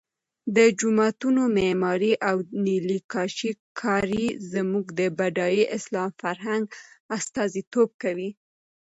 د جوماتونو معمارۍ او نیلي کاشي کاري زموږ د بډای اسلامي فرهنګ استازیتوب کوي.